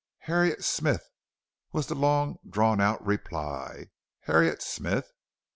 "Har ri et Smith," was the long drawn out reply; "Har ri et Smith!